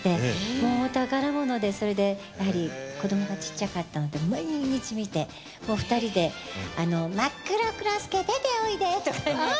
もう宝物でそれでやはり子どもがちっちゃかったので毎日見てもう２人で「まっくろくろすけ出ておいで」とかね。